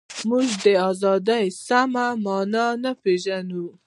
موږ د ازادۍ سمه مانا نه پېژنو.